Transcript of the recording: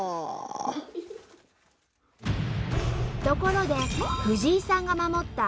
ところで藤井さんがえっ？